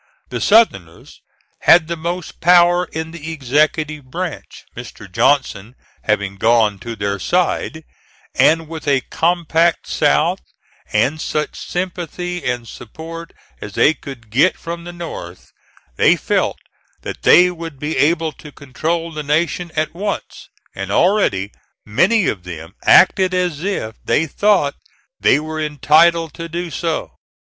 The Southerners had the most power in the executive branch, Mr. Johnson having gone to their side; and with a compact South, and such sympathy and support as they could get from the North, they felt that they would be able to control the nation at once, and already many of them acted as if they thought they were entitled to do so.